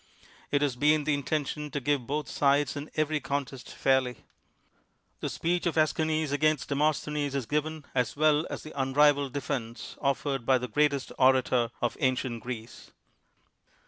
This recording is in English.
It has been the inten tion to give both sides in every contest fairly. The speech of ^schines against Demosthenes is given, as well as the unrivak'd defense offered INTRODUCTION by the greatest orator of ancient Greece.